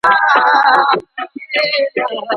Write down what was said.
همکاري د سیالۍ په پرتله ډیره ګټوره ده.